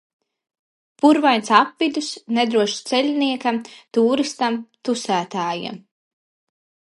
Purvains apvidus nedrošs ceļiniekam, tūristam, tusētājam.